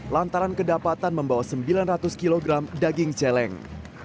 lantaran kedapatan membawa sembilan ratus kg daging celeng